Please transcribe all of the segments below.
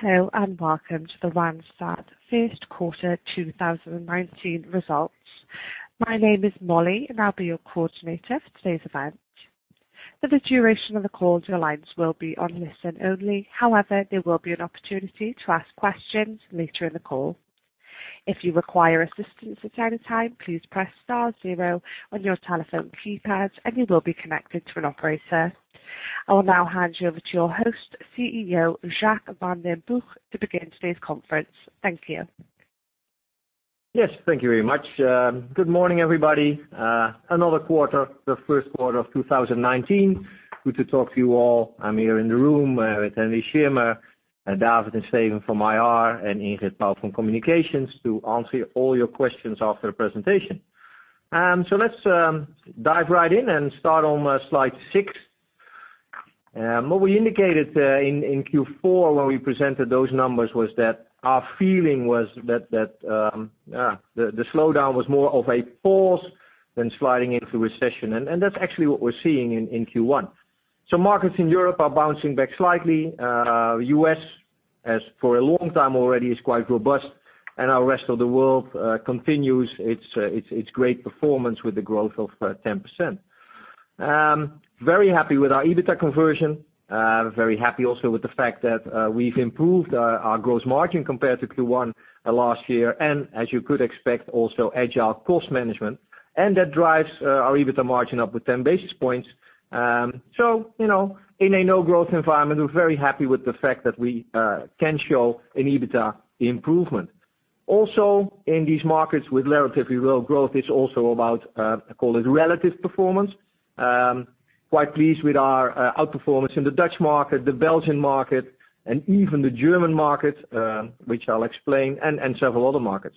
Hello, welcome to the Randstad first quarter 2019 results. My name is Molly, and I'll be your coordinator for today's event. For the duration of the call, your lines will be on listen only. However, there will be an opportunity to ask questions later in the call. If you require assistance at any time, please press star zero on your telephone keypad, and you will be connected to an operator. I will now hand you over to your host, CEO Jacques van den Broek, to begin today's conference. Thank you. Yes. Thank you very much. Good morning, everybody. Another quarter, the first quarter of 2019. Good to talk to you all. I'm here in the room, with Henry Schirmer, David and Steven from IR, and Ingrid Pal from Communications to answer all your questions after the presentation. Let's dive right in and start on slide six. What we indicated, in Q4 when we presented those numbers, was that our feeling was that the slowdown was more of a pause than sliding into recession. That's actually what we're seeing in Q1. Markets in Europe are bouncing back slightly. U.S., as for a long time already, is quite robust, and our rest of the world continues its great performance with the growth of 10%. Very happy with our EBITDA conversion. Very happy also with the fact that we've improved our gross margin compared to Q1 last year. As you could expect, also agile cost management. That drives our EBITDA margin up with ten basis points. In a no-growth environment, we're very happy with the fact that we can show an EBITDA improvement. Also, in these markets with relatively low growth, it's also about, call it relative performance. Quite pleased with our outperformance in the Dutch market, the Belgian market, and even the German market, which I'll explain, and several other markets.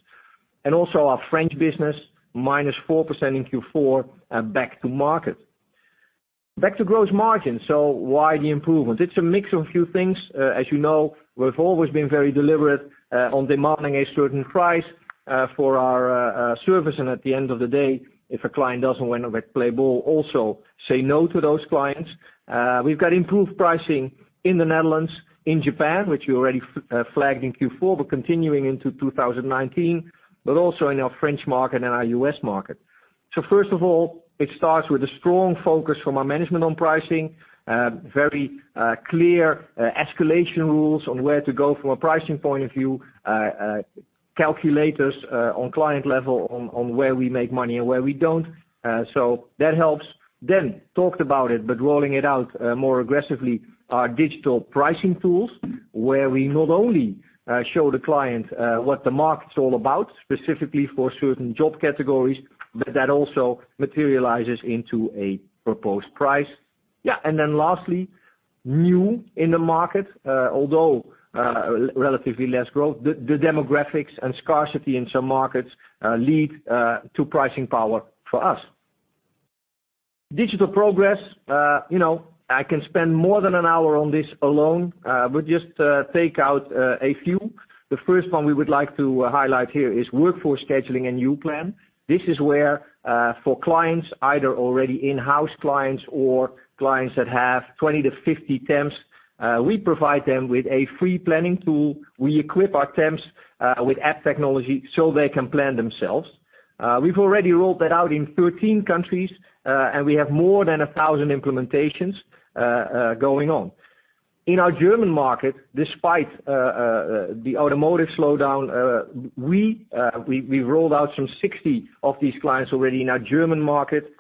Also our French business, minus 4% in Q4, back to market. Back to gross margin. Why the improvement? It's a mix of a few things. At the end of the day, if a client doesn't want to play ball, also say no to those clients. We've got improved pricing in the Netherlands, in Japan, which we already flagged in Q4. We're continuing into 2019, but also in our French market and our U.S. market. First of all, it starts with a strong focus from our management on pricing, very clear escalation rules on where to go from a pricing point of view, calculators, on client level on where we make money and where we don't. That helps. Talked about it, but rolling it out more aggressively, our digital pricing tools, where we not only show the client what the market's all about, specifically for certain job categories, but that also materializes into a proposed price. Yeah. Lastly, new in the market, although, relatively less growth, the demographics and scarcity in some markets lead to pricing power for us. Digital progress. I can spend more than an hour on this alone, but just to take out a few. The first one we would like to highlight here is Workforce Scheduling and YouPlan. This is where, for clients, either already in-house clients or clients that have 20 to 50 temps, we provide them with a free planning tool. We equip our temps with app technology so they can plan themselves. We've already rolled that out in 13 countries, and we have more than 1,000 implementations going on. In our German market, despite the automotive slowdown, we've rolled out some 60 of these clients already in our German market.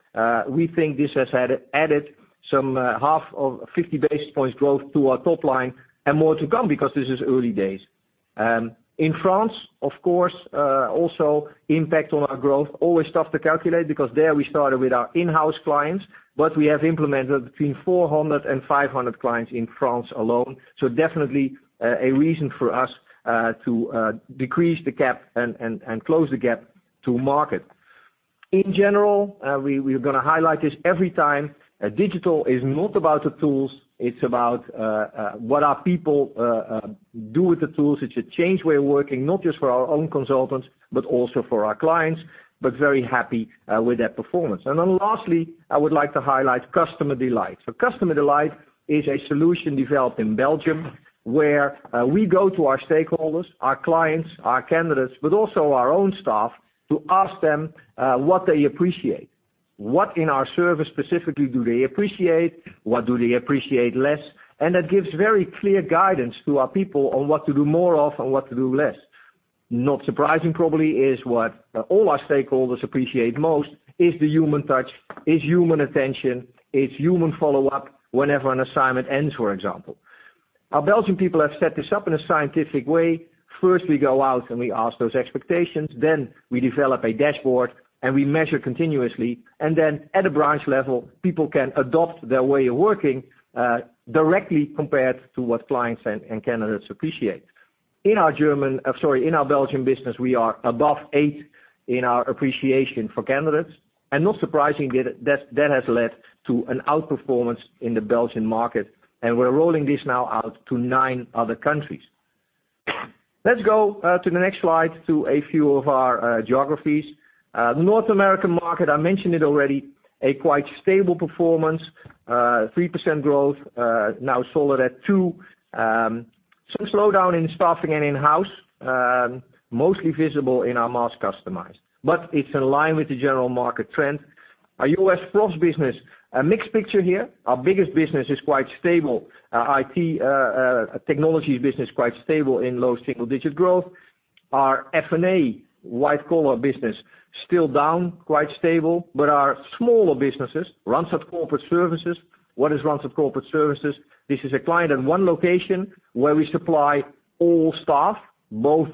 We think this has added some half of 50 basis points growth to our top line and more to come because this is early days. In France, of course, also impact on our growth. Always tough to calculate because there we started with our in-house clients, but we have implemented between 400 and 500 clients in France alone. Definitely, a reason for us to decrease the gap and close the gap to market. In general, we're going to highlight this every time, digital is not about the tools, it's about what our people do with the tools. It's a change we're working, not just for our own consultants, but also for our clients, but very happy with that performance. Lastly, I would like to highlight Customer Delight. Customer Delight is a solution developed in Belgium where we go to our stakeholders, our clients, our candidates, but also our own staff to ask them what they appreciate. What in our service specifically do they appreciate? What do they appreciate less? That gives very clear guidance to our people on what to do more of and what to do less. Not surprising, probably, is what all our stakeholders appreciate most is the human touch, is human attention, it's human follow-up whenever an assignment ends, for example. Our Belgian people have set this up in a scientific way. First, we go out and we ask those expectations. We develop a dashboard, and we measure continuously. At a branch level, people can adopt their way of working directly compared to what clients and candidates appreciate. In our Belgian business, we are above eight in our appreciation for candidates. Not surprisingly, that has led to an outperformance in the Belgian market, and we're rolling this now out to nine other countries. Let's go to the next slide to a few of our geographies. North American market, I mentioned it already, a quite stable performance, 3% growth, now solid at two. Some slowdown in staffing and in-house, mostly visible in our managed customized, but it's in line with the general market trend. Our U.S. professionals business, a mixed picture here. Our biggest business is quite stable. Our IT technology business, quite stable in low single-digit growth. Our F&A white collar business, still down quite stable, but our smaller businesses, Randstad Corporate Services. What is Randstad Corporate Services? This is a client in one location where we supply all staff, both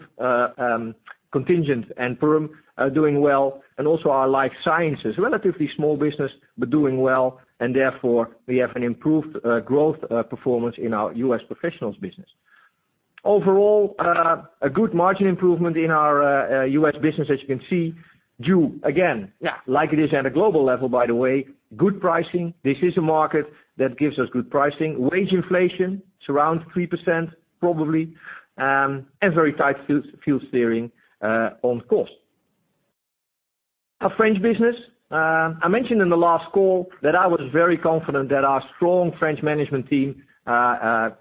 contingent and perm are doing well. Also our life sciences, relatively small business, but doing well, and therefore, we have an improved growth performance in our U.S. professionals business. Overall, a good margin improvement in our U.S. business, as you can see, due again, like it is at a global level, by the way, good pricing. This is a market that gives us good pricing. Wage inflation, it's around 3%, probably, and very tight fuel steering on cost. Our French business. I mentioned in the last call that I was very confident that our strong French management team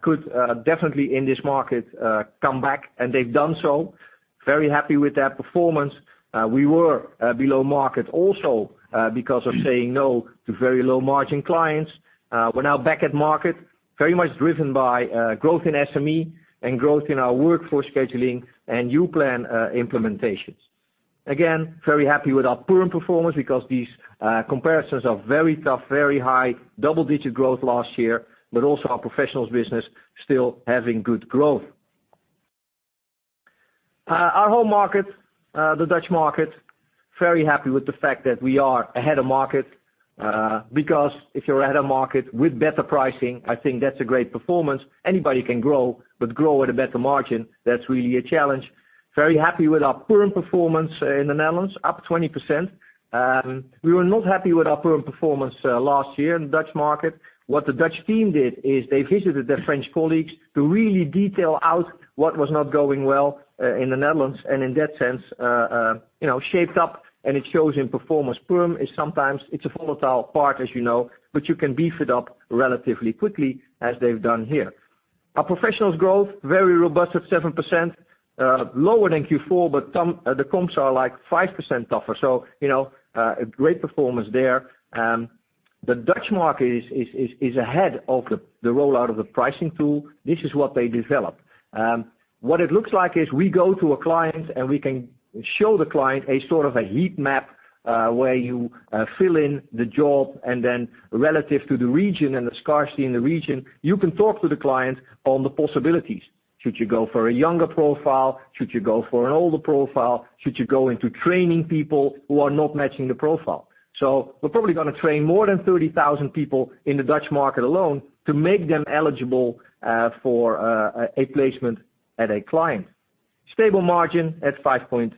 could definitely, in this market, come back, and they've done so. Very happy with that performance. We were below market also because of saying no to very low-margin clients. We're now back at market, very much driven by growth in SME and growth in our Workforce Scheduling and YouPlan implementations. Very happy with our perm performance because these comparisons are very tough, very high, double-digit growth last year, but also our professionals business still having good growth. Our home market, the Dutch market, very happy with the fact that we are ahead of market, because if you're ahead of market with better pricing, I think that's a great performance. Anybody can grow, but grow at a better margin, that's really a challenge. Very happy with our perm performance in the Netherlands, up 20%. We were not happy with our perm performance last year in the Dutch market. What the Dutch team did is they visited their French colleagues to really detail out what was not going well in the Netherlands, and in that sense shaped up and it shows in performance. Perm is sometimes, it's a volatile part, as you know, but you can beef it up relatively quickly as they've done here. Our professionals growth, very robust at 7%, lower than Q4, but the comps are 5% tougher. A great performance there. The Dutch market is ahead of the rollout of the pricing tool. This is what they developed. What it looks like is we go to a client, and we can show the client a sort of a heat map, where you fill in the job and then relative to the region and the scarcity in the region, you can talk to the client on the possibilities. Should you go for a younger profile? Should you go for an older profile? Should you go into training people who are not matching the profile? We're probably going to train more than 30,000 people in the Dutch market alone to make them eligible for a placement at a client. Stable margin at 5.2%,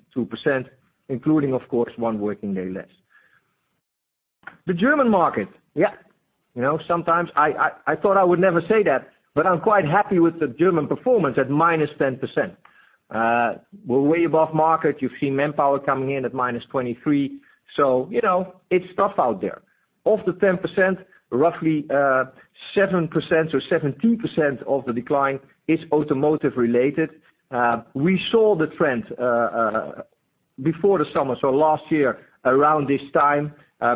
including, of course, one working day less. The German market. Sometimes I thought I would never say that, but I'm quite happy with the German performance at -10%. We're way above market. You've seen Manpower coming in at -23%. It's tough out there. Of the 10%, roughly 7% or 72% of the decline is automotive related. We saw the trend before the summer. Last year, around this time,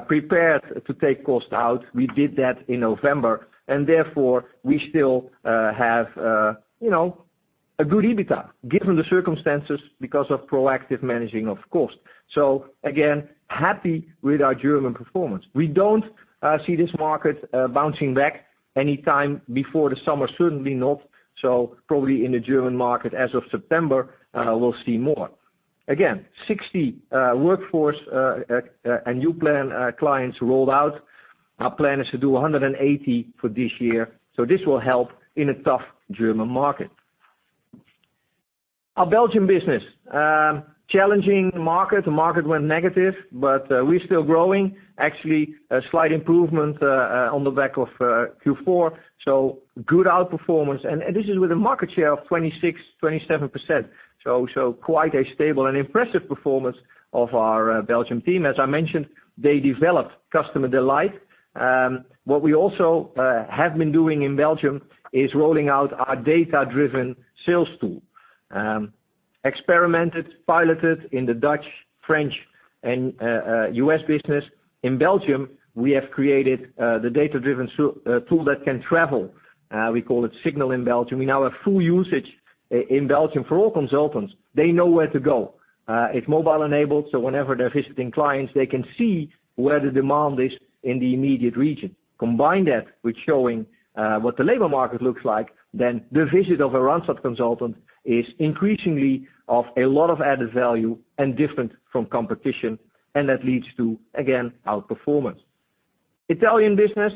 prepared to take cost out. We did that in November, and therefore, we still have a good EBITDA, given the circumstances because of proactive managing of cost. Again, happy with our German performance. We don't see this market bouncing back anytime before the summer, certainly not. Probably in the German market as of September, we'll see more. Again, 60 Workforce Scheduling and YouPlan clients rolled out. Our plan is to do 180 for this year. This will help in a tough German market. Our Belgium business. Challenging market. The market went negative, but we're still growing. Actually, a slight improvement on the back of Q4, good outperformance. This is with a market share of 26%-27%. Quite a stable and impressive performance of our Belgium team. As I mentioned, they developed Customer Delight. What we also have been doing in Belgium is rolling out our data-driven sales tool. Experimented, piloted in the Dutch, French, and U.S. business. In Belgium, we have created the data-driven tool that can travel. We call it Signal in Belgium. We now have full usage in Belgium for all consultants. They know where to go. It's mobile-enabled, whenever they're visiting clients, they can see where the demand is in the immediate region. Combine that with showing what the labor market looks like, then the visit of a Randstad consultant is increasingly of a lot of added value and different from competition. That leads to, again, outperformance. Italian business,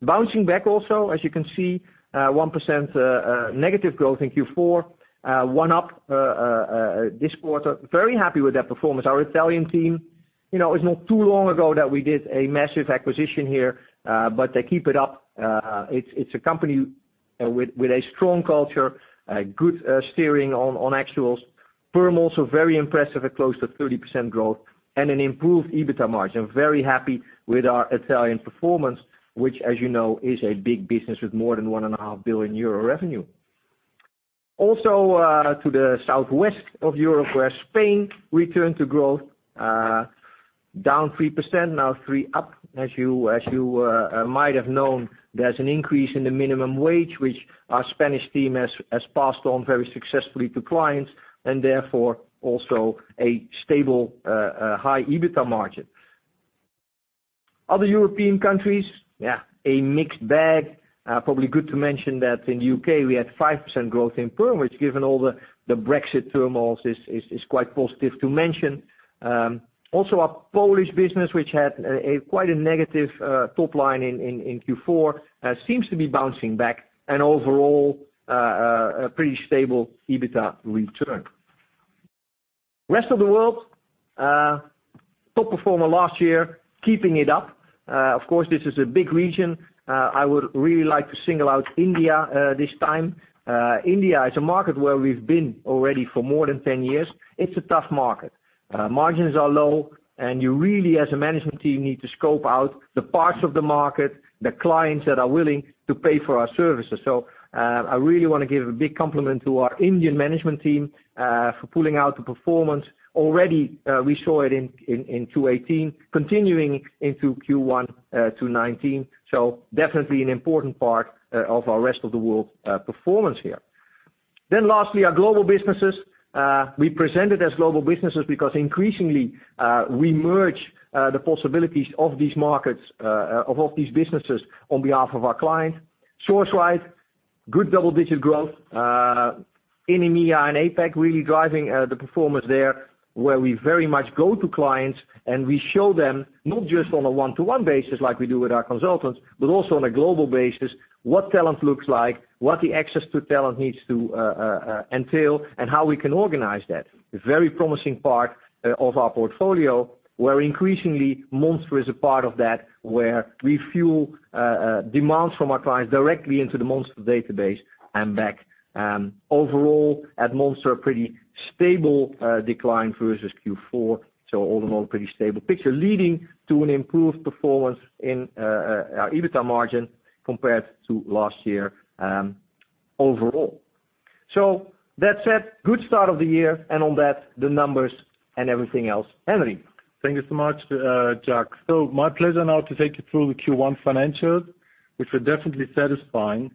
bouncing back also. As you can see, 1% negative growth in Q4. One up this quarter. Very happy with that performance. Our Italian team. It's not too long ago that we did a massive acquisition here, but they keep it up. It's a company with a strong culture, good steering on actuals. Perm also very impressive at close to 30% growth and an improved EBITDA margin. Very happy with our Italian performance, which as you know, is a big business with more than 1.5 billion euro revenue. Also, to the southwest of Europe, where Spain returned to growth, down 3%, now 3% up. As you might have known, there's an increase in the minimum wage, which our Spanish team has passed on very successfully to clients. Also a stable high EBITDA margin. Other European countries, a mixed bag. Probably good to mention that in the U.K. we had 5% growth in perm, which given all the Brexit turmoils, is quite positive to mention. Also, our Polish business, which had quite a negative top line in Q4, seems to be bouncing back. Overall, a pretty stable EBITDA return. Rest of the world. Top performer last year, keeping it up. Of course, this is a big region. I would really like to single out India this time. India is a market where we've been already for more than 10 years. It's a tough market. Margins are low. You really, as a management team, need to scope out the parts of the market, the clients that are willing to pay for our services. I really want to give a big compliment to our Indian management team for pulling out the performance. Already we saw it in Q1 2018, continuing into Q1 2019, definitely an important part of our rest of the world performance here. Lastly, our global businesses. We present it as global businesses because increasingly, we merge the possibilities of these businesses on behalf of our clients. Randstad Sourceright, good double-digit growth. EMEA and APAC really driving the performance there where we very much go to clients and we show them not just on a one-to-one basis like we do with our consultants, but also on a global basis, what talent looks like, what the access to talent needs to entail, and how we can organize that. Very promising part of our portfolio where increasingly Monster is a part of that, where we fuel demands from our clients directly into the Monster database and back. Overall, at Monster, pretty stable decline versus Q4. All in all, pretty stable picture leading to an improved performance in our EBITDA margin compared to last year overall. That said, good start of the year and on that, the numbers and everything else. Henry. Thank you so much, Jacques. My pleasure now to take you through the Q1 financials, which were definitely satisfying.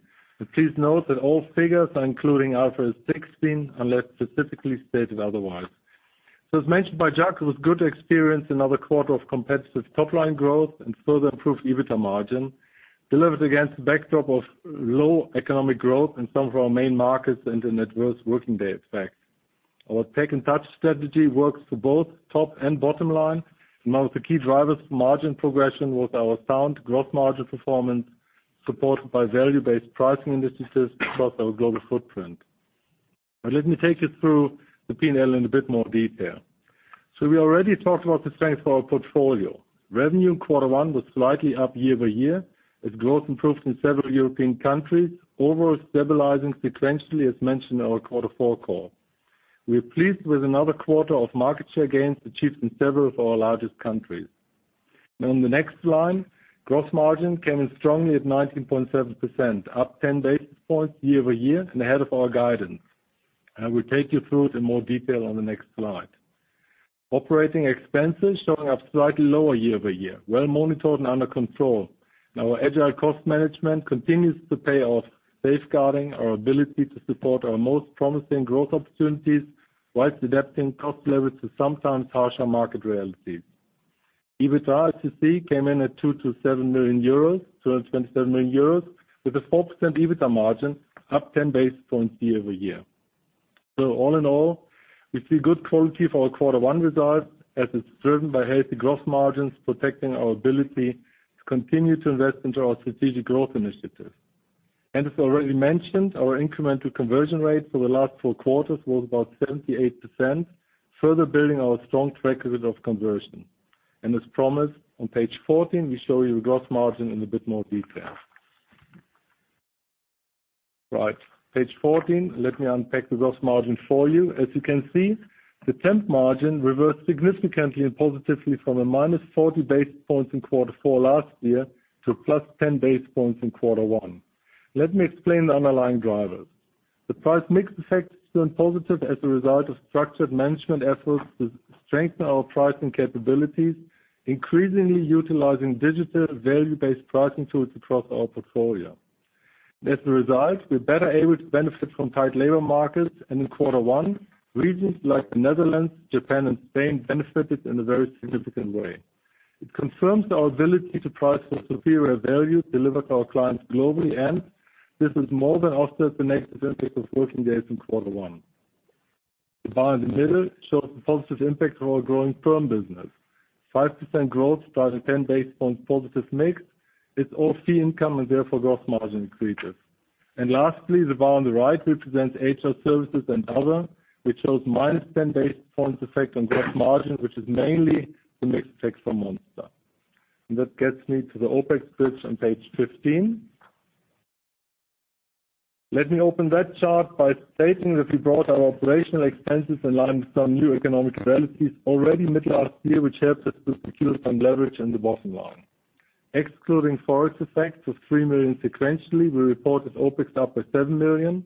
Please note that all figures are including IFRS 16 unless specifically stated otherwise. As mentioned by Jacques, it was good to experience another quarter of competitive top-line growth and further improved EBITDA margin, delivered against the backdrop of low economic growth in some of our main markets and the net adverse working day effect. Our Tech and Touch strategy works for both top and bottom line. Among the key drivers for margin progression was our sound gross margin performance, supported by value-based pricing initiatives across our global footprint. Now let me take you through the P&L in a bit more detail. We already talked about the strength of our portfolio. Revenue in quarter one was slightly up year-over-year as growth improved in several European countries. Overall stabilizing sequentially, as mentioned in our Quarter 4 call. We are pleased with another quarter of market share gains achieved in several of our largest countries. Now, in the next line, gross margin came in strongly at 19.7%, up 10 basis points year-over-year and ahead of our guidance. I will take you through it in more detail on the next slide. Operating expenses showing up slightly lower year-over-year, well monitored and under control. Now, agile cost management continues to pay off, safeguarding our ability to support our most promising growth opportunities whilst adapting cost levels to sometimes harsher market realities. EBITDA as you see came in at 227 million euros with a 4% EBITDA margin up 10 basis points year-over-year. All in all, we see good quality for our quarter one results as it's driven by healthy gross margins, protecting our ability to continue to invest into our strategic growth initiatives. As already mentioned, our incremental conversion rate for the last four quarters was about 78%, further building our strong track record of conversion. As promised, on page 14, we show you gross margin in a bit more detail. Right. Page 14, let me unpack the gross margin for you. As you can see, the temp margin reversed significantly and positively from a minus 40 basis points in quarter four last year to plus 10 basis points in quarter one. Let me explain the underlying drivers. The price mix effect is positive as a result of structured management efforts to strengthen our pricing capabilities, increasingly utilizing digital value-based pricing tools across our portfolio. As a result, we're better able to benefit from tight labor markets. In quarter one, regions like the Netherlands, Japan, and Spain benefited in a very significant way. It confirms our ability to price for superior value delivered to our clients globally. This is more than offset the negative impact of working days in quarter one. The bar in the middle shows the positive impact of our growing perm business. 5% growth driving 10 basis points positive mix. It's all fee income and therefore gross margin increases. Lastly, the bar on the right represents HR services and other, which shows minus 10 basis points effect on gross margin, which is mainly the mixed effect from Monster. That gets me to the OpEx bridge on page 15. Let me open that chart by stating that we brought our operational expenses in line with some new economic realities already mid last year, which helped us to secure some leverage in the bottom line. Excluding ForEx effects of 3 million EUR sequentially, we reported OpEx up by 7 million EUR,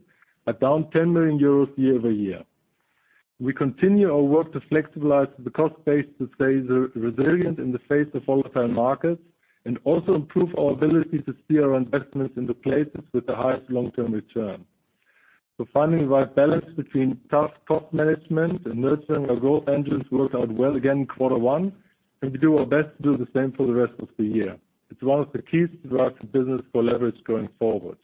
but down 10 million euros year-over-year. We continue our work to flexibilize the cost base to stay resilient in the face of volatile markets and also improve our ability to steer our investments in the places with the highest long-term return. Finding the right balance between tough cost management and nurturing our growth engines worked out well again in quarter one, and we do our best to do the same for the rest of the year. It's one of the keys to driving business for leverage going forward.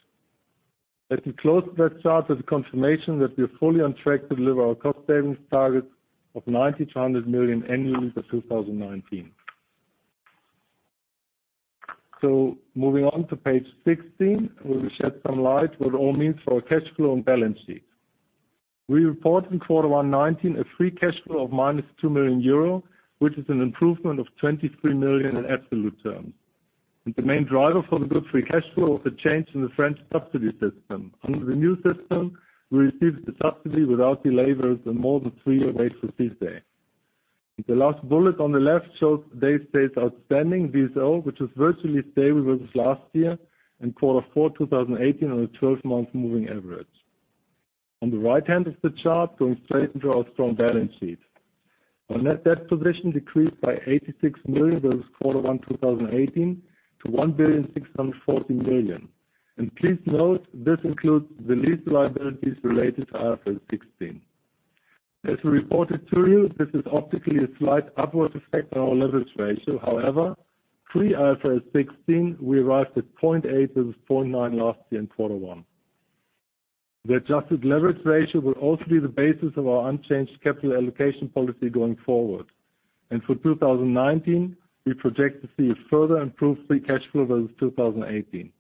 Let me close that chart with the confirmation that we are fully on track to deliver our cost savings targets of 90 million EUR to 100 million EUR annually for 2019. Moving on to page 16, where we shed some light what it all means for our cash flow and balance sheet. We report in quarter 1 2019 a free cash flow of minus 2 million euro, which is an improvement of 23 million EUR in absolute terms. The main driver for the good free cash flow was the change in the French subsidy system. Under the new system, we received a subsidy without the labor and more than three-year wait for CICE. The last bullet on the left shows today's date outstanding DSO, which is virtually stable versus last year in quarter four 2018 on a 12-month moving average. On the right hand of the chart, going straight into our strong balance sheet. Our net debt position decreased by 86 million EUR versus quarter one 2018 to 1 billion 640 million EUR. Please note, this includes the lease liabilities related to IFRS 16. As we reported to you, this is optically a slight upward effect on our leverage ratio. However, pre IFRS 16, we arrived at 0.8 versus 0.9 last year in quarter one. The adjusted leverage ratio will also be the basis of our unchanged capital allocation policy going forward. For 2019, we project to see a further improved free cash flow versus 2018.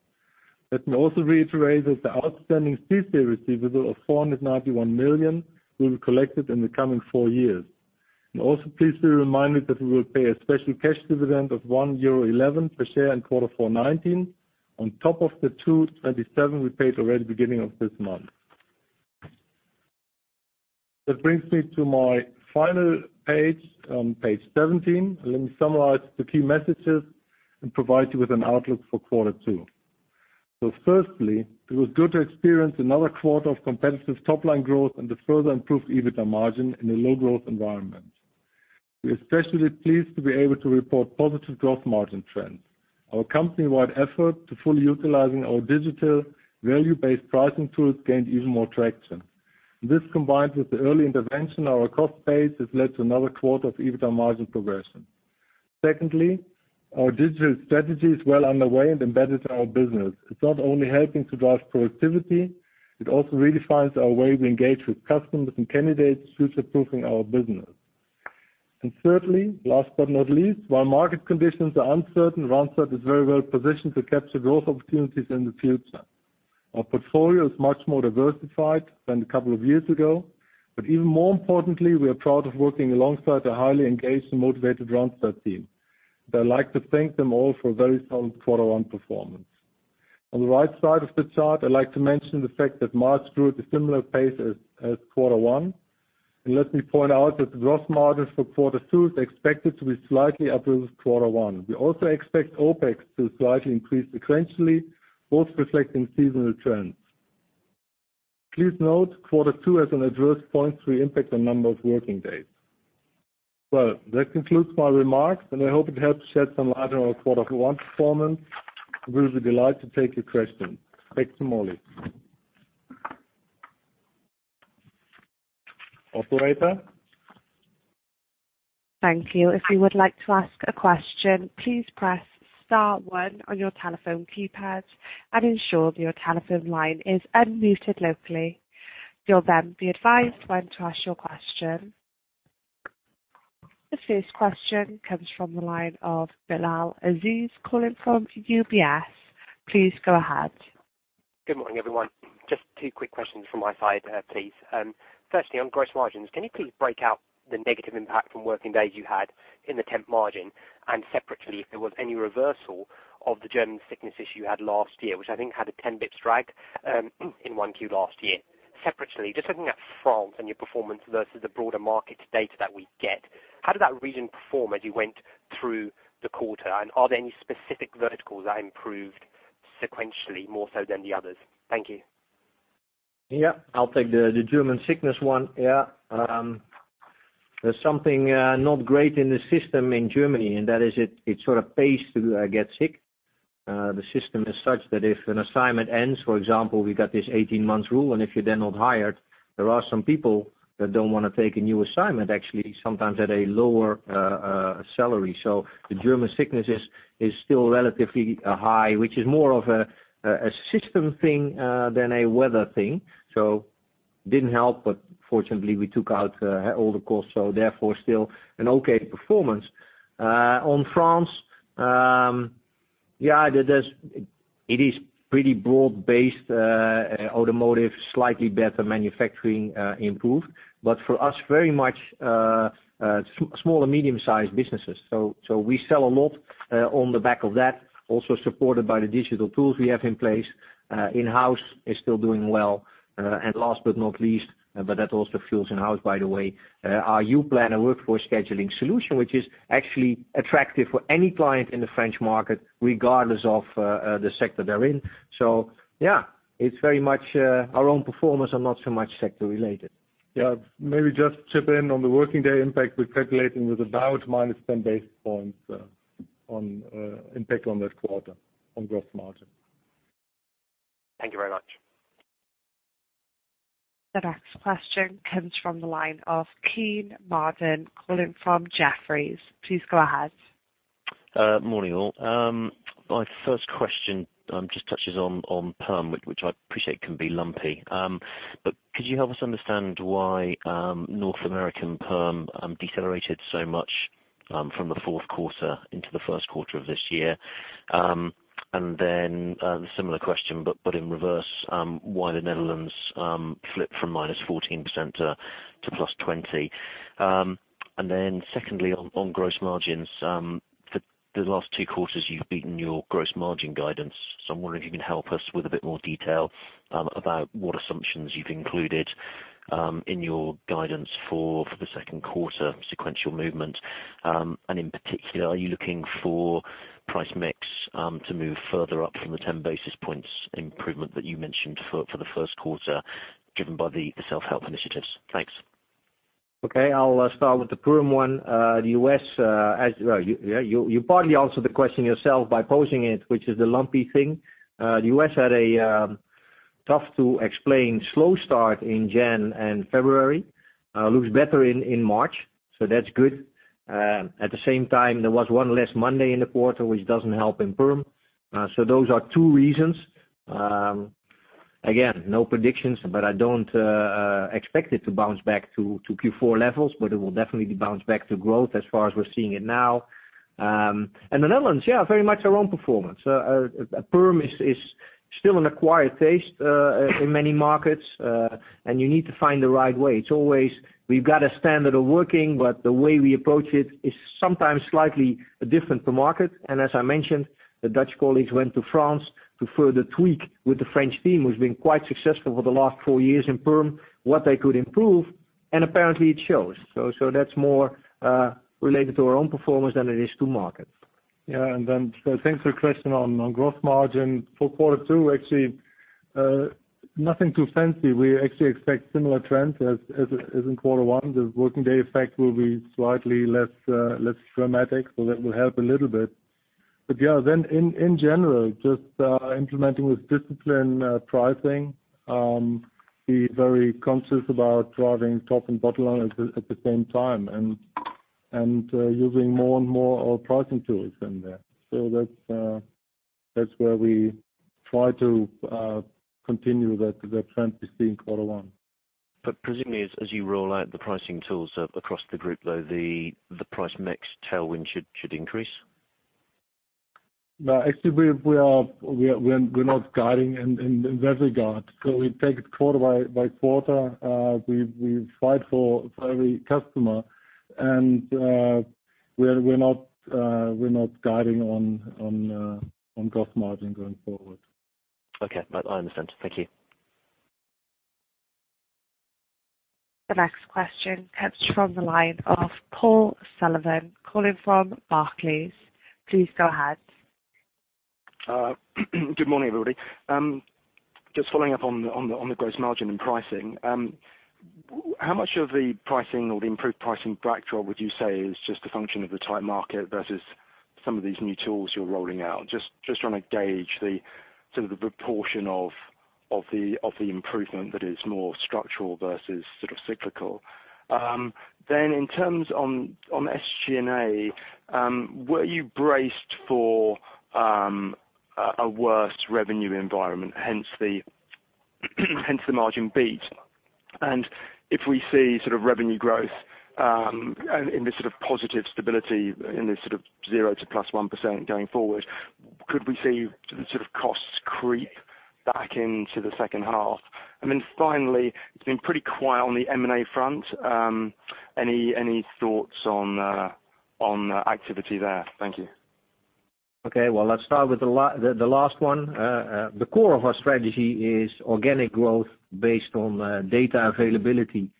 Let me also reiterate that the outstanding CICE receivable of 491 million EUR will be collected in the coming four years. Also please be reminded that we will pay a special cash dividend of 1.11 euro per share in quarter four 2019, on top of the 2.27 we paid already beginning of this month. That brings me to my final page 17. Let me summarize the key messages and provide you with an outlook for quarter two. Firstly, it was good to experience another quarter of competitive top-line growth and the further improved EBITDA margin in a low growth environment. We are especially pleased to be able to report positive growth margin trends. Our company-wide effort to fully utilizing our digital value-based pricing tools gained even more traction. This combined with the early intervention, our cost base has led to another quarter of EBITDA margin progression. Secondly, our digital strategy is well underway and embedded in our business. It's not only helping to drive productivity, it also redefines our way we engage with customers and candidates future-proofing our business. Thirdly, last but not least, while market conditions are uncertain, Randstad is very well positioned to capture growth opportunities in the future. Our portfolio is much more diversified than a couple of years ago, but even more importantly, we are proud of working alongside a highly engaged and motivated Randstad team. I'd like to thank them all for a very solid quarter one performance. On the right side of the chart, I'd like to mention the fact that March grew at a similar pace as quarter one. Let me point out that the gross margins for quarter two is expected to be slightly up versus quarter one. We also expect OpEx to slightly increase sequentially, both reflecting seasonal trends. Please note quarter two has an adverse 0.3 impact on number of working days. That concludes my remarks, and I hope it helps shed some light on our quarter one performance. We'll be delighted to take your questions. Back to Molly. Operator. Thank you. If you would like to ask a question, please press star one on your telephone keypad and ensure your telephone line is unmuted locally. You'll then be advised when to ask your question. The first question comes from the line of Bilal Aziz calling from UBS. Please go ahead. Good morning, everyone. Just two quick questions from my side, please. Firstly, on gross margins, can you please break out the negative impact from working days you had in the temp margin? Separately, if there was any reversal of the German sickness issue you had last year, which I think had a 10 basis points drag in one Q last year. Separately, just looking at France and your performance versus the broader market data that we get, how did that region perform as you went through the quarter? Are there any specific verticals that improved sequentially more so than the others? Thank you. I'll take the German sickness one. There's something not great in the system in Germany. That is it sort of pays to get sick. The system is such that if an assignment ends, for example, we got this 18 months rule. If you're then not hired, there are some people that don't want to take a new assignment, actually, sometimes at a lower salary. The German sickness is still relatively high, which is more of a system thing than a weather thing. Didn't help. Fortunately, we took out all the costs. Therefore still an okay performance. On France, it is pretty broad-based automotive, slightly better manufacturing improved. For us, very much small and medium-sized businesses. We sell a lot on the back of that, also supported by the digital tools we have in place. In-house is still doing well. Last but not least, that also fuels in-house, by the way, our YouPlan and Workforce Scheduling solution, which is actually attractive for any client in the French market, regardless of the sector they're in. Yeah, it's very much our own performance and not so much sector-related. Maybe just chip in on the working day impact. We're calculating with about -10 basis points on impact on that quarter on gross margin. Thank you very much. The next question comes from the line of Kean Marden, calling from Jefferies. Please go ahead. Morning, all. My first question just touches on perm, which I appreciate can be lumpy. Could you help us understand why North American perm decelerated so much from the fourth quarter into the first quarter of this year? Then, the similar question, but in reverse, why the Netherlands flipped from -14% to +20%? Secondly, on gross margins. For the last two quarters, you've beaten your gross margin guidance. I'm wondering if you can help us with a bit more detail about what assumptions you've included in your guidance for the second quarter sequential movement. In particular, are you looking for price mix to move further up from the 10 basis points improvement that you mentioned for the first quarter, driven by the self-help initiatives? Thanks. Okay, I'll start with the perm one. You partly answered the question yourself by posing it, which is the lumpy thing. The U.S. had a tough-to-explain slow start in January and February. Looks better in March. That's good. At the same time, there was one less Monday in the quarter, which doesn't help in perm. Those are two reasons. Again, no predictions. I don't expect it to bounce back to Q4 levels, but it will definitely bounce back to growth as far as we're seeing it now. The Netherlands, yeah, very much our own performance. Perm is still an acquired taste in many markets, and you need to find the right way. It's always we've got a standard of working. The way we approach it is sometimes slightly different per market. As I mentioned, the Dutch colleagues went to France to further tweak with the French team, who's been quite successful for the last four years in perm, what they could improve, and apparently it shows. That's more related to our own performance than it is to market. Thanks for the question on gross margin. For quarter two, actually, nothing too fancy. We actually expect similar trends as in quarter one. The working day effect will be slightly less dramatic, that will help a little bit. In general, just implementing with discipline, pricing. Be very conscious about driving top and bottom line at the same time and using more and more of our pricing tools in there. That's where we try to continue that trend we see in quarter one. Presumably, as you roll out the pricing tools across the group, though, the price mix tailwind should increase? No, actually, we're not guiding in that regard. We take it quarter by quarter. We fight for every customer, and we're not guiding on gross margin going forward. Okay. No, I understand. Thank you. The next question comes from the line of Paul Sullivan, calling from Barclays. Please go ahead. Good morning, everybody. Just following up on the gross margin and pricing. How much of the pricing or the improved pricing backdrop would you say is just a function of the tight market versus some of these new tools you're rolling out? Just trying to gauge the sort of the proportion of the improvement that is more structural versus sort of cyclical. In terms on SG&A, were you braced for a worse revenue environment, hence the margin beat? If we see sort of revenue growth in this sort of positive stability, in this sort of 0 to +1% going forward, could we see sort of costs creep back into the second half? Finally, it's been pretty quiet on the M&A front. Any thoughts on activity there? Thank you. Okay. Let's start with the last one. The core of our strategy is organic growth based on data availability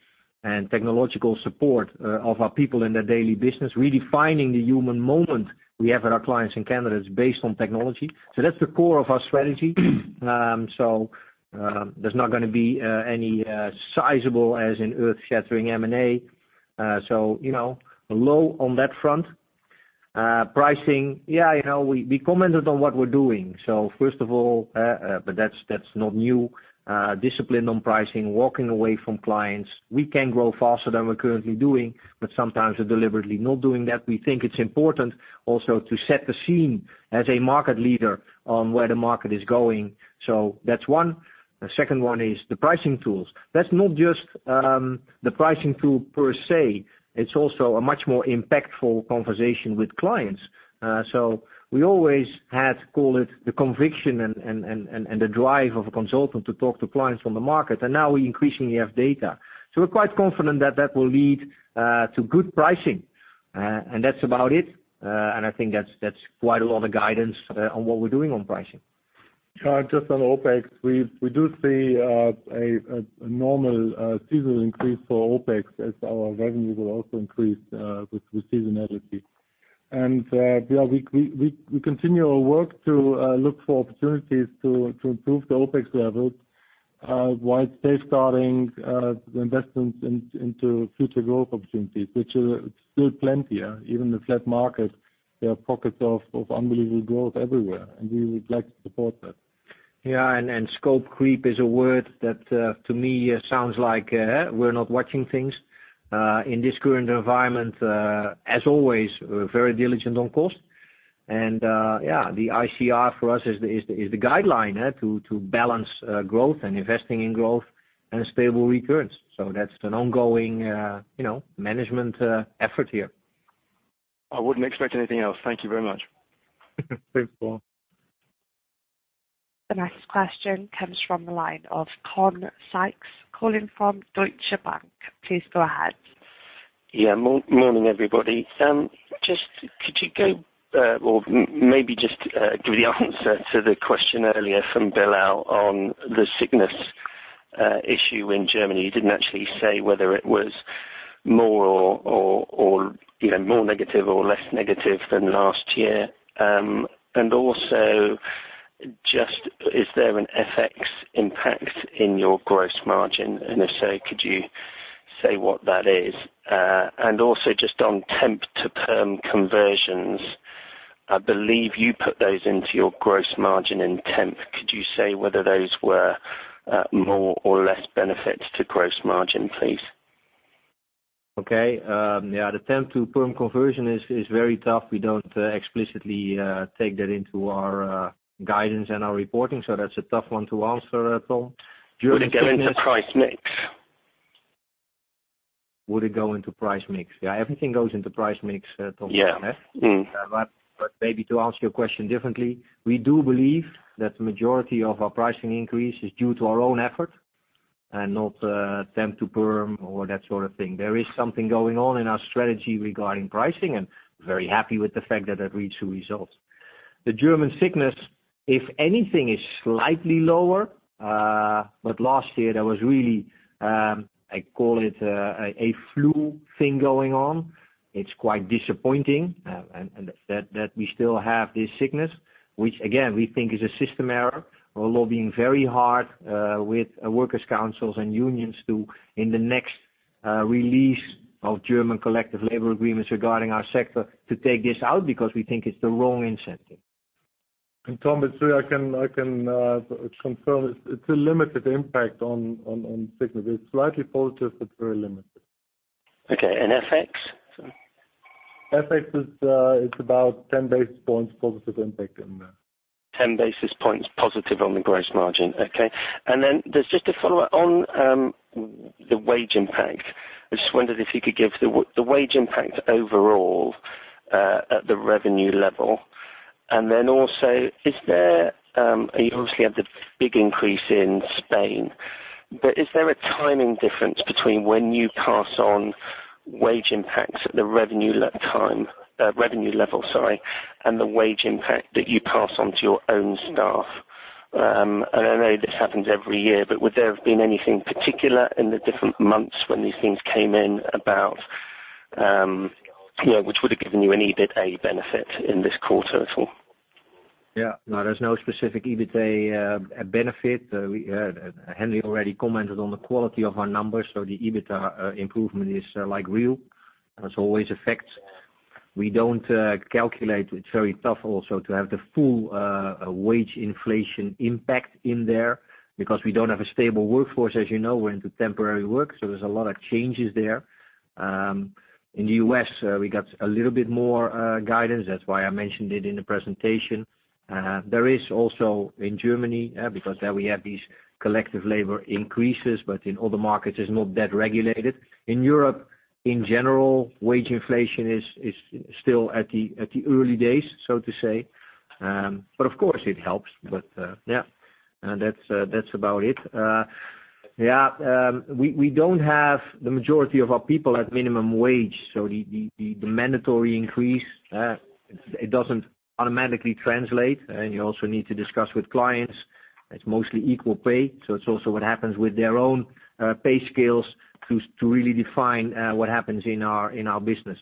and technological support of our people in their daily business, really finding the human moment we have with our clients and candidates based on technology. That's the core of our strategy. There's not going to be any sizable as in earth-shattering M&A. Low on that front. Pricing. We commented on what we're doing. First of all, but that's not new. Discipline on pricing, walking away from clients. We can grow faster than we're currently doing, but sometimes we're deliberately not doing that. We think it's important also to set the scene as a market leader on where the market is going. That's one. The second one is the pricing tools. That's not just the pricing tool per se, it's also a much more impactful conversation with clients. We always had, call it the conviction and the drive of a consultant to talk to clients on the market. Now we increasingly have data. We're quite confident that that will lead to good pricing. That's about it. I think that's quite a lot of guidance on what we're doing on pricing. Just on OpEx, we do see a normal seasonal increase for OpEx as our revenue will also increase with seasonality. We continue our work to look for opportunities to improve the OpEx levels whilst base starting the investments into future growth opportunities, which is still plenty. Even the flat market, there are pockets of unbelievable growth everywhere, and we would like to support that. Yeah. Scope creep is a word that, to me, sounds like we're not watching things. In this current environment, as always, we're very diligent on cost. Yeah, the ICR for us is the guideline to balance growth and investing in growth and a stable recurrence. That's an ongoing management effort here. I wouldn't expect anything else. Thank you very much. Thanks, Paul. The next question comes from the line of Tom Sykes, calling from Deutsche Bank. Please go ahead. Yeah. Morning, everybody. Just could you go, or maybe just give the answer to the question earlier from Bilal on the sickness issue in Germany. You didn't actually say whether it was more negative or less negative than last year. Also, just is there an FX impact in your gross margin? If so, could you say what that is? Also just on temp to perm conversions, I believe you put those into your gross margin in temp. Could you say whether those were more or less benefits to gross margin, please? Okay. Yeah, the temp to perm conversion is very tough. We don't explicitly take that into our guidance and our reporting, so that's a tough one to answer, Tom. Would it go into price mix? Would it go into price mix? Yeah, everything goes into price mix, Tom. Yeah. Maybe to answer your question differently, we do believe that the majority of our pricing increase is due to our own effort and not temp to perm or that sort of thing. There is something going on in our strategy regarding pricing, and very happy with the fact that it reached the results. The German sickness, if anything, is slightly lower. Last year there was really, I call it a flu thing going on. It's quite disappointing that we still have this sickness, which again, we think is a system error. We're lobbying very hard with workers' councils and unions to, in the next release of German collective labor agreements regarding our sector, to take this out because we think it's the wrong incentive. Tom, it's true. I can confirm it's a limited impact on sickness. It's slightly positive, but very limited. Okay. FX? FX is about 10 basis points positive impact in there. 10 basis points positive on the gross margin. Okay. Then there's just a follow-up on the wage impact. I just wondered if you could give the wage impact overall at the revenue level. Then also, you obviously had the big increase in Spain, but is there a timing difference between when you pass on wage impacts at the revenue level and the wage impact that you pass onto your own staff? I know this happens every year, but would there have been anything particular in the different months when these things came in about, which would have given you an EBITDA benefit in this quarter at all? There's no specific EBITA benefit. Henry already commented on the quality of our numbers. The EBITDA improvement is real. As always, ForEx. We don't calculate. It's very tough also to have the full wage inflation impact in there because we don't have a stable workforce. As you know, we're into temporary work. There's a lot of changes there. In the U.S., we got a little bit more guidance. That's why I mentioned it in the presentation. There is also in Germany, because there we have these collective labor increases. In other markets, it's not that regulated. In Europe, in general, wage inflation is still at the early days, so to say. Of course, it helps. That's about it. We don't have the majority of our people at minimum wage. The mandatory increase, it doesn't automatically translate. You also need to discuss with clients. It's mostly equal pay. It's also what happens with their own pay scales to really define what happens in our business.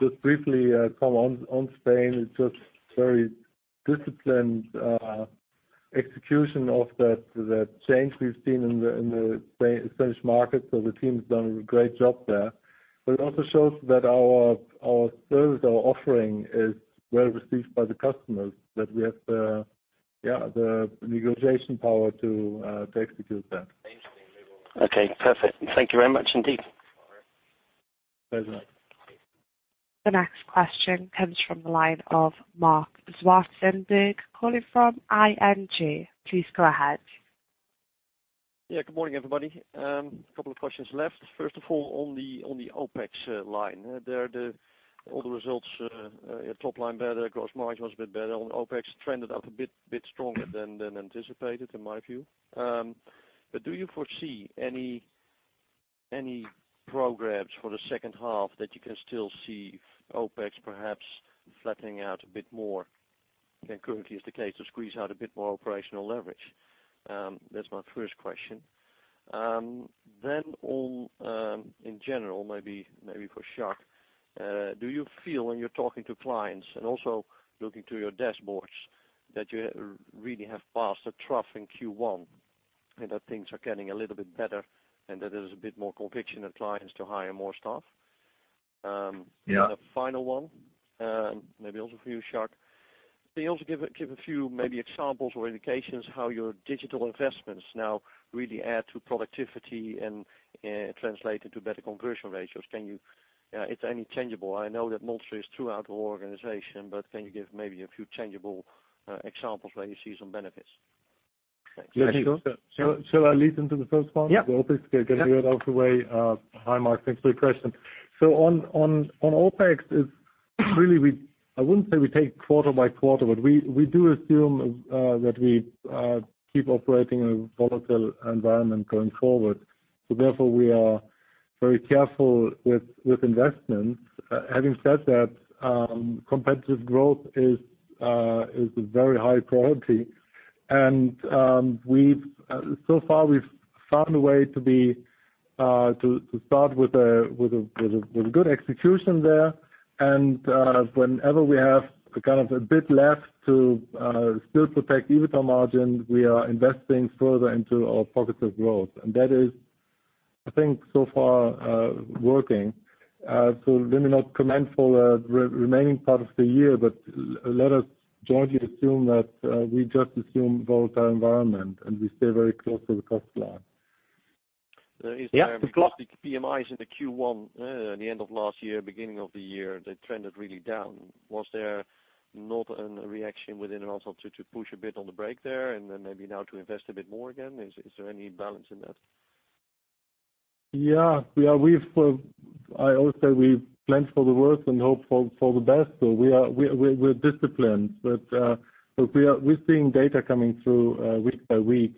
Just briefly, Tom, on Spain, it's just very disciplined execution of the change we've seen in the Spanish market. The team's done a great job there. It also shows that our service, our offering, is well received by the customers that we have the negotiation power to execute that. Thank you very much indeed. Pleasure. The next question comes from the line of Marc Zwartsenburg, calling from ING. Please go ahead. Yeah. Good morning, everybody. A couple of questions left. First of all, on the OpEx line. There are all the results, top line better, gross margin was a bit better on OpEx, trended up a bit stronger than anticipated, in my view. Do you foresee any programs for the second half that you can still see OpEx perhaps flattening out a bit more than currently is the case to squeeze out a bit more operational leverage? That's my first question. On, in general, maybe for Jacques. Do you feel when you're talking to clients and also looking to your dashboards that you really have passed a trough in Q1, and that things are getting a little bit better and that there is a bit more conviction in clients to hire more staff? Yeah. The final one, maybe also for you, Jacques. Can you also give a few maybe examples or indications how your digital investments now really add to productivity and translate into better conversion ratios? I know that most is throughout the whole organization, but can you give maybe a few tangible examples where you see some benefits? Thanks. Shall I lead into the first one? Yeah. OpEx, get it out of the way. Hi, Marc. Thanks for your question. On OpEx, I wouldn't say we take quarter by quarter, but we do assume that we keep operating in a volatile environment going forward. Therefore, we are very careful with investments. Having said that, competitive growth is a very high priority. So far we've found a way to start with a good execution there. Whenever we have a bit left to still protect EBITDA margin, we are investing further into our pockets of growth. That is, I think so far, working. Let me not comment for the remaining part of the year, but let us jointly assume that we just assume volatile environment and we stay very close to the cost line. Is there- Yeah. The PMIs in the Q1, the end of last year, beginning of the year, they trended really down. Was there not a reaction within Randstad to push a bit on the brake there, and then maybe now to invest a bit more again? Is there any balance in that? Yeah. I always say we plan for the worst and hope for the best. We're disciplined. We're seeing data coming through week by week,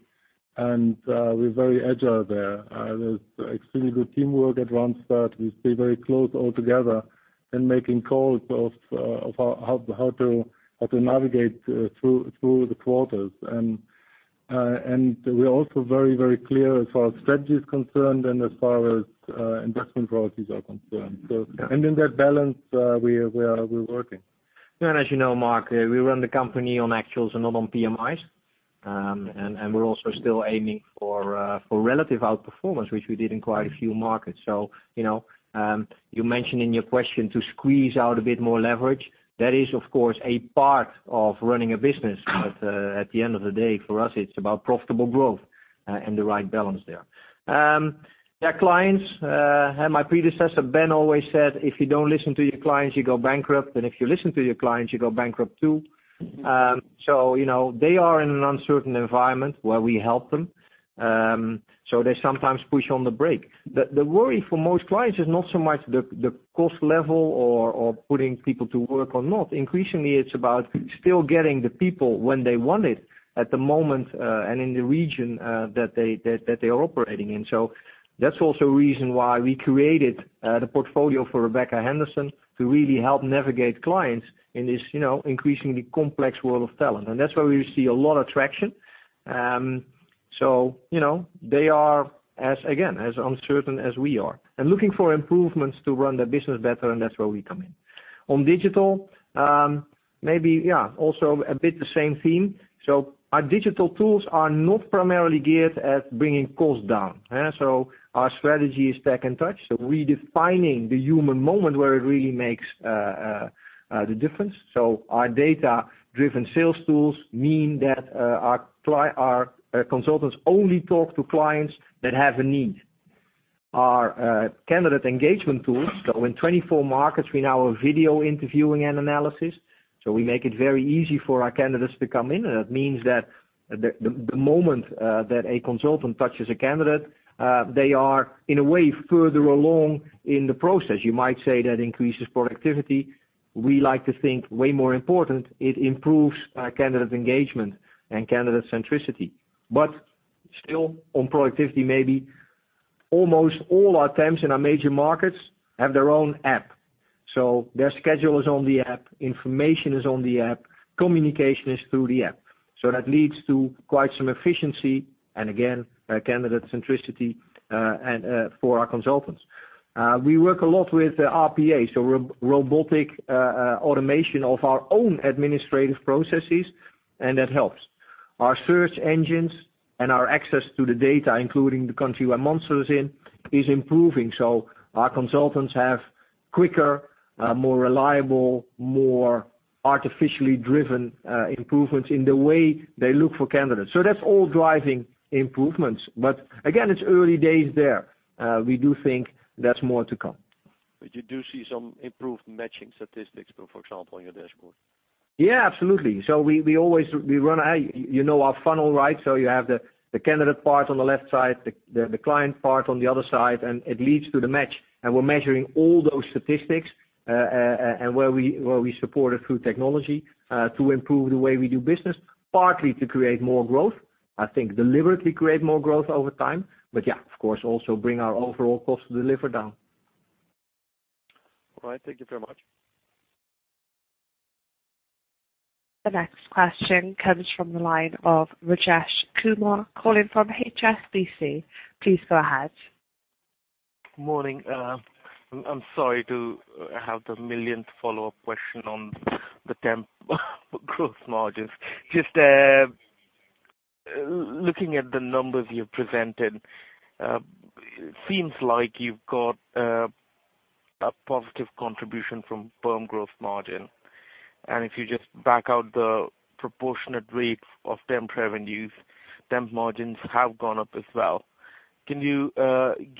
and we're very agile there. There's extremely good teamwork at Randstad. We stay very close all together in making calls of how to navigate through the quarters. We're also very clear as far as strategy is concerned and as far as investment priorities are concerned. In that balance, we're working. As you know, Marc, we run the company on actuals and not on PMIs. We're also still aiming for relative outperformance, which we did in quite a few markets. You mentioned in your question to squeeze out a bit more leverage. That is, of course, a part of running a business. At the end of the day, for us, it's about profitable growth and the right balance there. Clients, my predecessor, Ben, always said, "If you don't listen to your clients, you go bankrupt. If you listen to your clients, you go bankrupt too." They are in an uncertain environment where we help them. They sometimes push on the brake. The worry for most clients is not so much the cost level or putting people to work or not. Increasingly, it's about still getting the people when they want it at the moment, and in the region that they are operating in. That's also a reason why we created the portfolio for Rebecca Henderson to really help navigate clients in this increasingly complex world of talent. That's where we see a lot of traction. They are, again, as uncertain as we are and looking for improvements to run their business better, and that's where we come in. On digital, maybe, also a bit the same theme. Our digital tools are not primarily geared at bringing costs down. Our strategy is Tech and Touch. Redefining the human moment where it really makes the difference. Our data-driven sales tools mean that our consultants only talk to clients that have a need. Our candidate engagement tools go in 24 markets. We now have video interviewing and analysis. We make it very easy for our candidates to come in. That means that the moment that a consultant touches a candidate, they are in a way further along in the process. You might say that increases productivity. We like to think way more important, it improves candidate engagement and candidate centricity. Still on productivity, maybe almost all our temps in our major markets have their own app. Their schedule is on the app, information is on the app, communication is through the app. That leads to quite some efficiency and again, candidate centricity for our consultants. We work a lot with RPA, so robotic automation of our own administrative processes, and that helps. Our search engines and our access to the data, including the country where Monster is in, is improving. Our consultants have quicker, more reliable, more artificially driven improvements in the way they look for candidates. That's all driving improvements. Again, it's early days there. We do think there's more to come. You do see some improved matching statistics, for example, on your dashboard? Yeah, absolutely. You know our funnel, right? You have the candidate part on the left side, the client part on the other side, and it leads to the match. We're measuring all those statistics, and where we support it through technology, to improve the way we do business, partly to create more growth, I think deliberately create more growth over time. Yeah, of course, also bring our overall cost to deliver down. All right. Thank you very much. The next question comes from the line of Rajesh Kumar calling from HSBC. Please go ahead. Morning. I'm sorry to have the millionth follow-up question on the temp growth margins. Just looking at the numbers you presented, seems like you've got a positive contribution from perm growth margin. If you just back out the proportionate rate of temp revenues, temp margins have gone up as well. Can you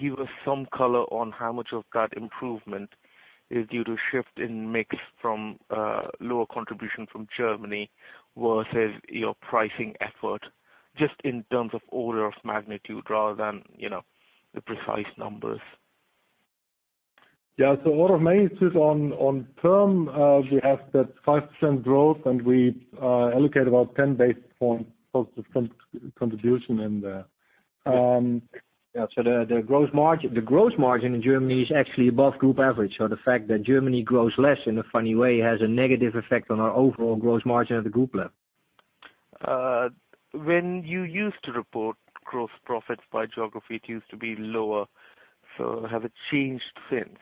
give us some color on how much of that improvement is due to shift in mix from lower contribution from Germany versus your pricing effort, just in terms of order of magnitude rather than the precise numbers? Yeah. Order of magnitude on perm, we have that 5% growth, and we allocate about 10 basis points positive contribution in there. Yeah. The gross margin in Germany is actually above group average. The fact that Germany grows less, in a funny way, has a negative effect on our overall gross margin at the group level. When you used to report gross profits by geography, it used to be lower. Has it changed since?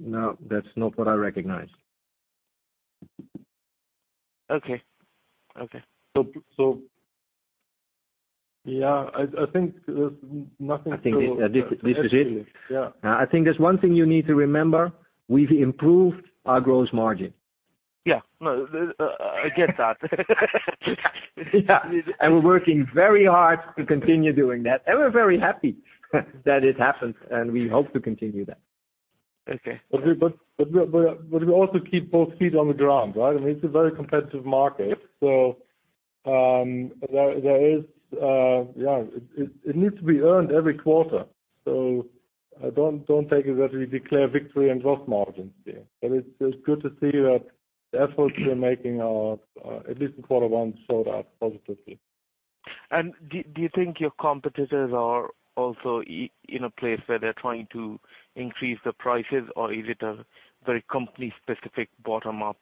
No, that's not what I recognize. Okay. Yeah. I think there's nothing. I think this is it. Yeah. I think there's one thing you need to remember. We've improved our gross margin. Yeah. No, I get that. Yeah. We're working very hard to continue doing that. We're very happy that it happens, and we hope to continue that. Okay. We also keep both feet on the ground, right? I mean, it's a very competitive market. It needs to be earned every quarter. Don't take it that we declare victory in gross margins here. It's good to see that the efforts we are making are, at least in quarter one, showed up positively. Do you think your competitors are also in a place where they're trying to increase the prices, or is it a very company-specific bottom-up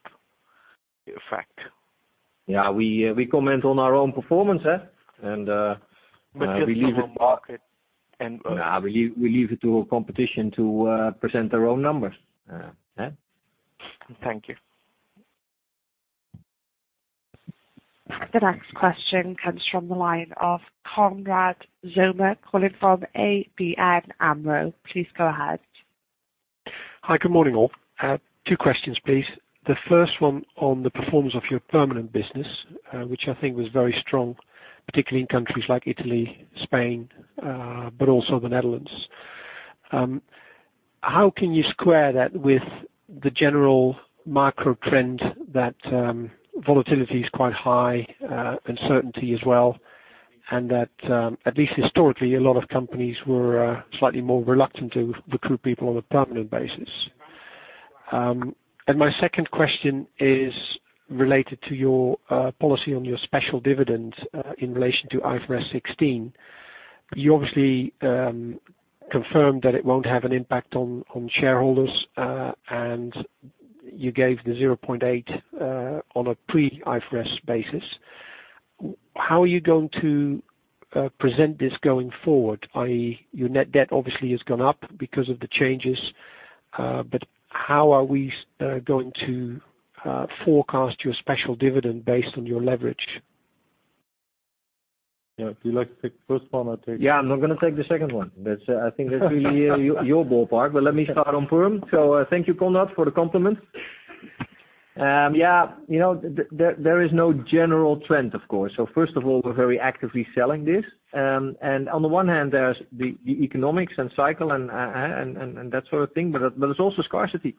effect? Yeah. We comment on our own performance. We leave it Just the whole market and. No. We leave it to our competition to present their own numbers. Yeah. Thank you. The next question comes from the line of Konrad Zomer, calling from ABN AMRO. Please go ahead. Hi. Good morning, all. Two questions, please. The first one on the performance of your permanent business, which I think was very strong, particularly in countries like Italy, Spain, but also the Netherlands. How can you square that with the general macro trend that volatility is quite high, uncertainty as well, and that, at least historically, a lot of companies were slightly more reluctant to recruit people on a permanent basis? My second question is related to your policy on your special dividend, in relation to IFRS 16. You obviously confirmed that it won't have an impact on shareholders, and you gave the 0.8 on a pre-IFRS basis. How are you going to present this going forward, i.e., your net debt obviously has gone up because of the changes. How are we going to forecast your special dividend based on your leverage? Yeah. If you'd like to take the first one, I'll take- Yeah. I'm not going to take the second one. I think that's really your ballpark. Let me start on perm. Thank you, Konrad, for the compliment. There is no general trend, of course. First of all, we're very actively selling this. On the one hand, there's the economics and cycle and that sort of thing, but there's also scarcity.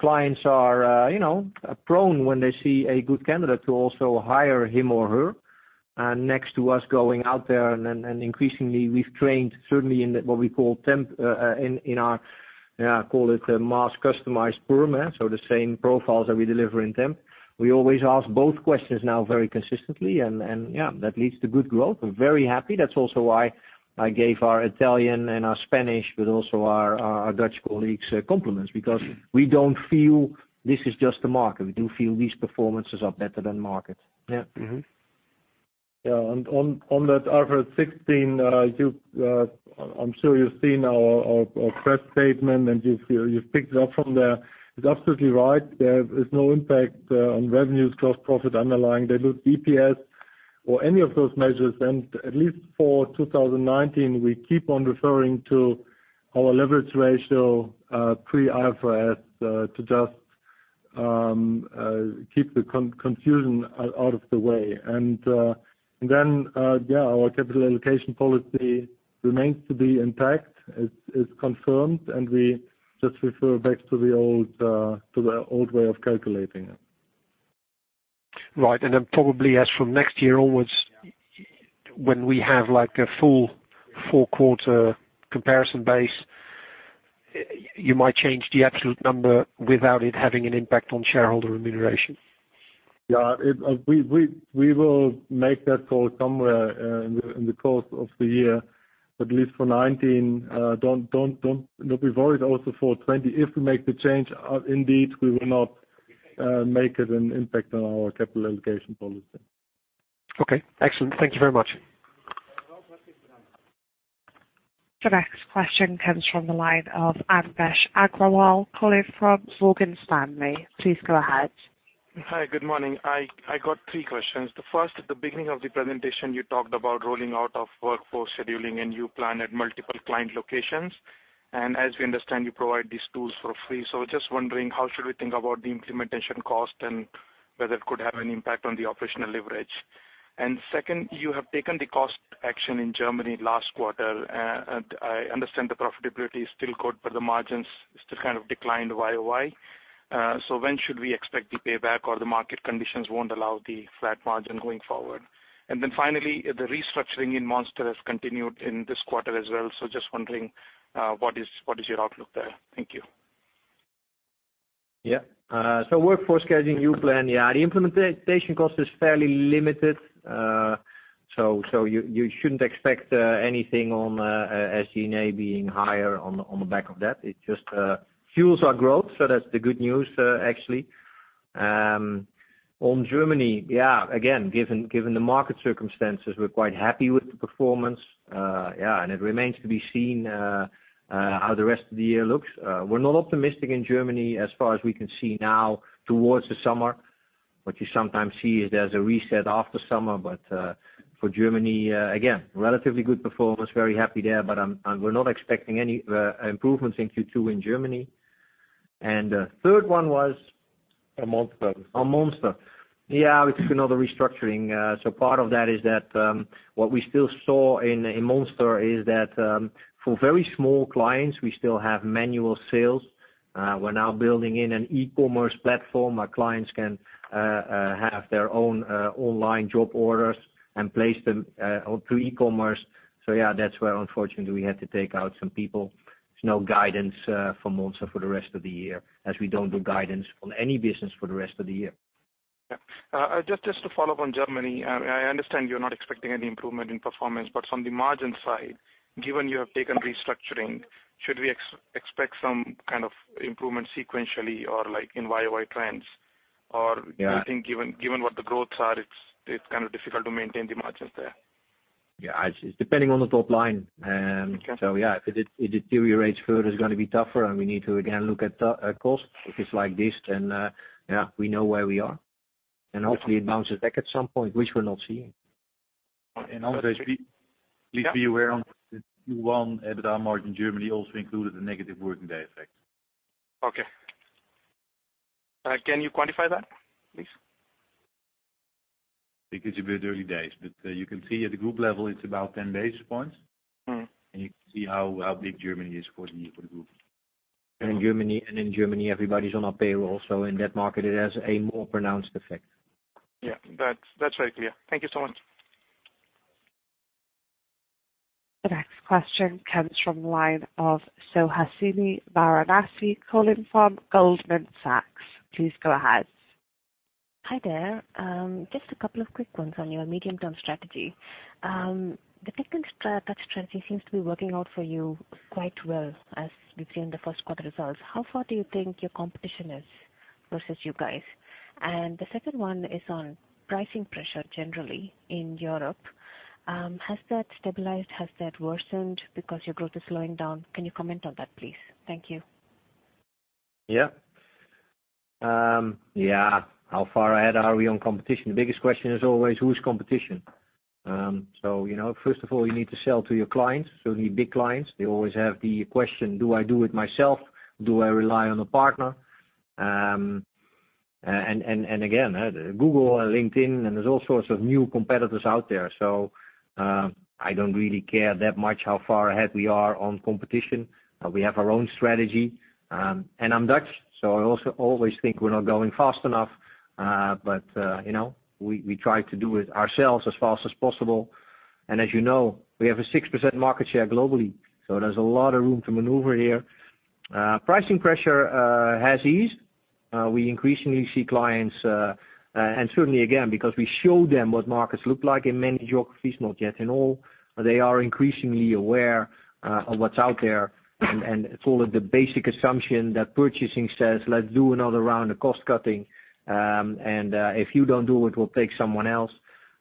Clients are prone when they see a good candidate to also hire him or her. Next to us going out there, and increasingly we've trained certainly in what we call temp, in our, call it mass customized perm. The same profiles that we deliver in temp. We always ask both questions now very consistently, and yeah, that leads to good growth. We're very happy. That's also why I gave our Italian and our Spanish, but also our Dutch colleagues compliments because we don't feel this is just the market. We do feel these performances are better than market. Yeah. Mm-hmm. Yeah. On that IFRS 16, I am sure you have seen our press statement, and you have picked it up from there. It is absolutely right. There is no impact on revenues, gross profit, underlying EBITDA, EPS, or any of those measures. At least for 2019, we keep on referring to our leverage ratio, pre IFRS, to just keep the confusion out of the way. Yeah, our capital allocation policy remains to be intact. It is confirmed, and we just refer back to the old way of calculating it. Right. Probably as from next year onwards. Yeah when we have a full four-quarter comparison base, you might change the absolute number without it having an impact on shareholder remuneration. Yeah. We will make that call somewhere in the course of the year, at least for 2019. Do not be worried also for 2020. If we make the change, indeed, we will not make it an impact on our capital allocation policy. Okay. Excellent. Thank you very much. The next question comes from the line of Anvesh Agrawal, calling from Morgan Stanley. Please go ahead. Hi. Good morning. I got three questions. The first, at the beginning of the presentation, you talked about rolling out of Workforce Scheduling and YouPlan at multiple client locations. As we understand, you provide these tools for free. Just wondering, how should we think about the implementation cost and whether it could have an impact on the operational leverage? Second, you have taken the cost action in Germany last quarter, and I understand the profitability is still good, but the margins still kind of declined year-over-year. When should we expect the payback, or the market conditions won't allow the flat margin going forward? Finally, the restructuring in Monster has continued in this quarter as well. Just wondering, what is your outlook there? Thank you. Yeah. Workforce Scheduling, YouPlan, yeah, the implementation cost is fairly limited. You shouldn't expect anything on SG&A being higher on the back of that. It just fuels our growth, that's the good news, actually. On Germany, yeah, again, given the market circumstances, we're quite happy with the performance. Yeah. It remains to be seen how the rest of the year looks. We're not optimistic in Germany as far as we can see now towards the summer. What you sometimes see is there's a reset after summer. For Germany, again, relatively good performance, very happy there, but we're not expecting any improvements in Q2 in Germany. And third one was? On Monster. On Monster. Yeah, it's another restructuring. Part of that is that what we still saw in Monster is that, for very small clients, we still have manual sales. We're now building in an e-commerce platform where clients can have their own online job orders and place them through e-commerce. Yeah, that's where, unfortunately, we had to take out some people. There's no guidance for Monster for the rest of the year, as we don't do guidance on any business for the rest of the year. Yeah. Just to follow up on Germany. I understand you're not expecting any improvement in performance, but on the margin side, given you have taken restructuring, should we expect some kind of improvement sequentially or, like, in YOY trends? Yeah Do you think given what the growths are, it's kind of difficult to maintain the margins there? Yeah. It's depending on the top line. Okay. Yeah, if it deteriorates further, it's going to be tougher, we need to again look at cost. If it's like this, yeah, we know where we are. Hopefully it bounces back at some point, which we're not seeing. Anvesh, please be aware on Q1, EBITDA margin Germany also included a negative working day effect. Okay. Can you quantify that, please? It is a bit early days, but you can see at the group level, it's about 10 basis points. You can see how big Germany is for the group. In Germany, everybody's on our payroll. In that market, it has a more pronounced effect. Yeah. That's very clear. Thank you so much. The next question comes from the line of Suhasini Varanasi, calling from Goldman Sachs. Please go ahead. Hi there. Just a couple of quick ones on your medium-term strategy. The Tech & Touch strategy seems to be working out for you quite well as we've seen the first quarter results. How far do you think your competition is versus you guys? The second one is on pricing pressure generally in Europe. Has that stabilized? Has that worsened because your growth is slowing down? Can you comment on that, please? Thank you. Yeah. How far ahead are we on competition? The biggest question is always who's competition? First of all, you need to sell to your clients, so you need big clients. They always have the question, do I do it myself? Do I rely on a partner? Again, Google and LinkedIn, and there's all sorts of new competitors out there. I don't really care that much how far ahead we are on competition. We have our own strategy. I'm Dutch, so I also always think we're not going fast enough. We try to do it ourselves as fast as possible. As you know, we have a 6% market share globally, so there's a lot of room to maneuver here. Pricing pressure has eased. We increasingly see clients, certainly, again, because we show them what markets look like in many geographies, not yet in all, they are increasingly aware of what's out there. It's all of the basic assumption that purchasing says, "Let's do another round of cost cutting. If you don't do it, we'll take someone else."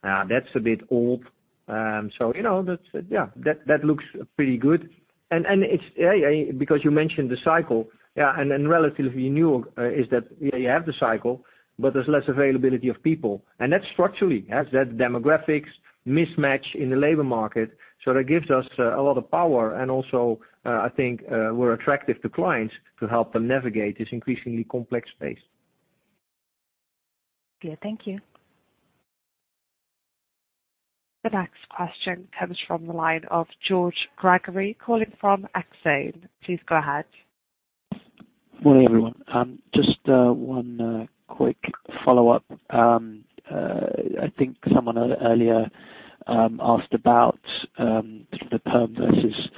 That's a bit old. That looks pretty good. Because you mentioned the cycle, and relatively new is that you have the cycle, but there's less availability of people. That's structurally, that demographics mismatch in the labor market. That gives us a lot of power and also, I think, we're attractive to clients to help them navigate this increasingly complex space. Clear. Thank you. The next question comes from the line of George Gregory, calling from Exane. Please go ahead. Morning, everyone. Just one quick follow-up. I think someone earlier asked about the perm versus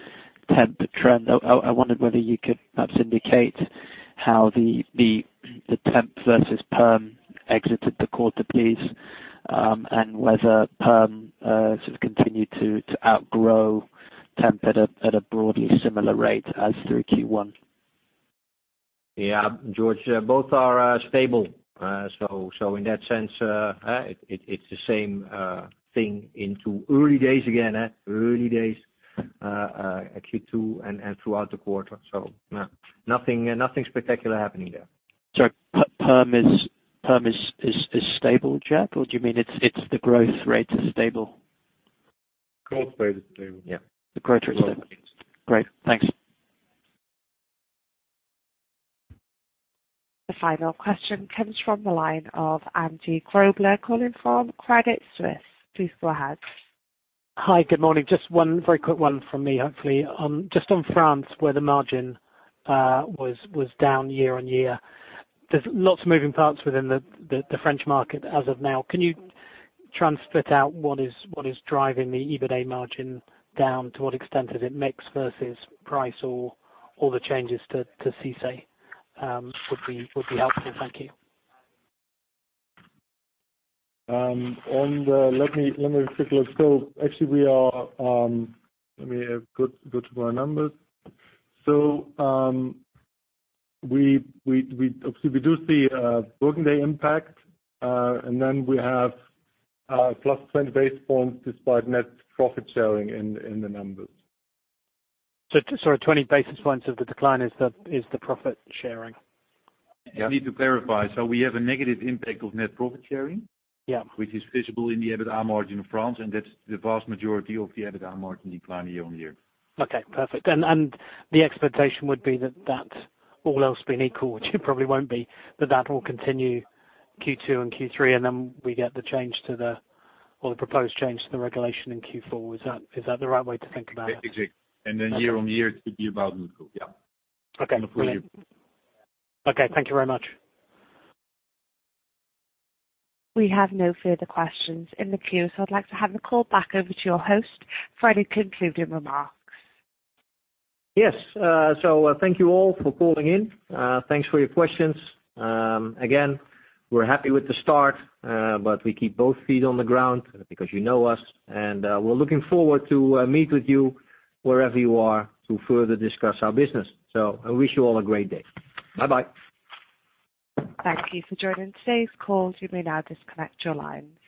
temp trend. I wondered whether you could perhaps indicate how the temp versus perm exited the quarter, please, and whether perm sort of continued to outgrow temp at a broadly similar rate as through Q1. Yeah. George, both are stable. In that sense, it's the same thing into early days again, early days, Q2 and throughout the quarter. Nothing spectacular happening there. Sorry, perm is stable, Jacques? Or do you mean it's the growth rate is stable? Growth rate is stable. Yeah. The growth rate is stable. Great. Thanks. The final question comes from the line of Andrew Grobler, calling from Credit Suisse. Please go ahead. Hi, good morning. Just one very quick one from me, hopefully. Just on France, where the margin was down year-over-year. There's lots of moving parts within the French market as of now. Can you try and split out what is driving the EBITA margin down? To what extent is it mix versus price or the changes to CICE would be helpful. Thank you. Let me just take a look. Let me go to my numbers. Obviously we do see working day impact, and then we have plus 20 basis points despite net profit sharing in the numbers. Sorry, 20 basis points of the decline is the profit sharing? I need to clarify. We have a negative impact of net profit sharing. Yeah. Which is visible in the EBITA margin in France, that's the vast majority of the EBITA margin decline year-on-year. Okay, perfect. The expectation would be that that, all else being equal, which it probably won't be, but that will continue Q2 and Q3. Then we get the proposed change to the regulation in Q4. Is that the right way to think about it? Exactly. Then year-on-year it should be about neutral. Yeah. Okay. Brilliant. Okay. Thank you very much. We have no further questions in the queue, so I'd like to hand the call back over to your host for any concluding remarks. Yes. Thank you all for calling in. Thanks for your questions. Again, we're happy with the start, but we keep both feet on the ground because you know us and we're looking forward to meet with you wherever you are to further discuss our business. I wish you all a great day. Bye-bye. Thank you for joining today's call. You may now disconnect your lines.